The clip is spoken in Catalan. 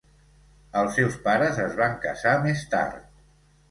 Els seus pares es van casar més tard.